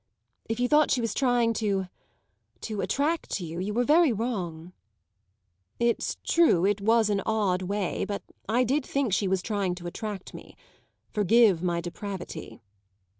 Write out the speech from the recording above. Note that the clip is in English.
If you thought she was trying to to attract you, you were very wrong." "It's true it was an odd way, but I did think she was trying to attract me. Forgive my depravity."